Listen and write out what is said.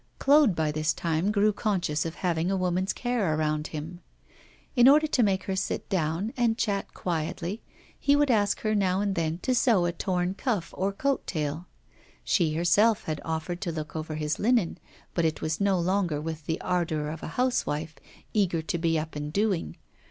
Claude by this time grew conscious of having a woman's care around him. In order to make her sit down and chat quietly, he would ask her now and then to sew a torn cuff or coat tail. She herself had offered to look over his linen; but it was no longer with the ardour of a housewife, eager to be up and doing.